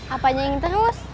apanya yang terus